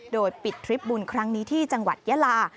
โดยปิดทริปบุญครั้งนี้ที่จังหวัดยาลา